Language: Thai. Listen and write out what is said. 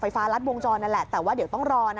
ฟ้ารัดวงจรนั่นแหละแต่ว่าเดี๋ยวต้องรอนะ